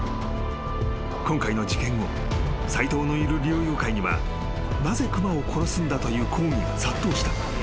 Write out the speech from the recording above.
［今回の事件後斎藤のいる猟友会にはなぜ熊を殺すんだという抗議が殺到した］